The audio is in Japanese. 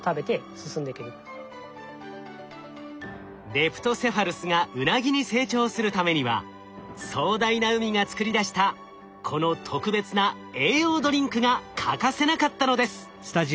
レプトセファルスがウナギに成長するためには壮大な海が作り出したこの特別な栄養ドリンクが欠かせなかったのです。